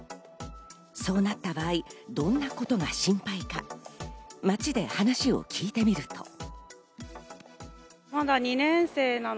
そうなった場合、どんなことが心配か街で話を聞いてみると。